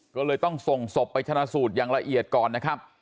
ก็เลยต้องส่งศพไปชนะสูตรอย่างละเอียดก่อนนะครับ